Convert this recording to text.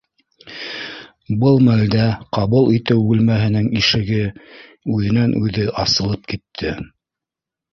Был мәлдә ҡабул итеү бүлмә һенең ишеге үҙенән-үҙе асылып китте